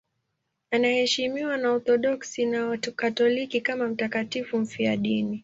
Anaheshimiwa na Waorthodoksi na Wakatoliki kama mtakatifu mfiadini.